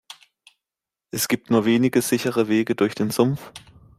Es gibt nur wenige sichere Wege durch den Sumpf.